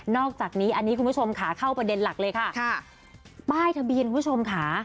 อกจากนี้อันนี้คุณผู้ชมขาเข้าประเด็นหลักเลยค่ะค่ะป้ายทะเบียนคุณผู้ชมค่ะ